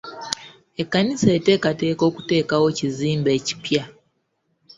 Ekkanisa eteekateeka okuteekawo kizimbe ekipya.